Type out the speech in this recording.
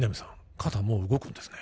肩もう動くんですね